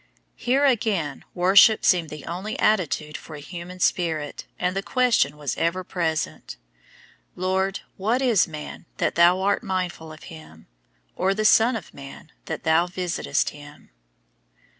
Here, again, worship seemed the only attitude for a human spirit, and the question was ever present, "Lord, what is man, that Thou art mindful of him; or the son of man, that Thou visitest him?"